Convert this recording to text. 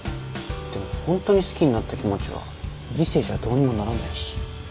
でもホントに好きになった気持ちは理性じゃどうにもならないし。